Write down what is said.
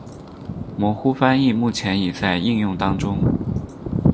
模糊翻译目前已在应用当中。